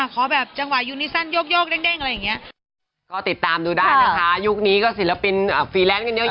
ขอแบบจังหวะยูนิสันโยกเด้งอะไรอย่างนี้